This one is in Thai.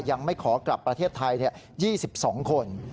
ยังไม่ขอกลับประเทศไทย๒๒คน